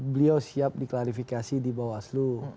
beliau siap diklarifikasi di bawaslu